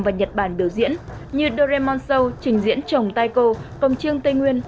và nhật bản biểu diễn như doraemon show trình diễn trồng taiko công chương tây nguyên